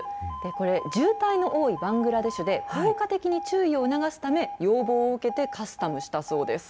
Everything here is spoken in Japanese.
これ、渋滞の多いバングラデシュで、効果的に注意を促すため、要望を受けてカスタムしたそうです。